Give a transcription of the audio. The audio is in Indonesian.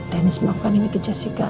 dennis memanfaatkan ini ke jessica